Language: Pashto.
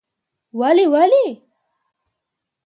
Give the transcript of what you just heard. ولې؟ ولې؟؟؟ ….